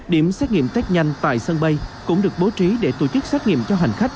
điểm xét nghiệm test nhanh tại sân bay cũng được bố trí để tổ chức xét nghiệm cho hành khách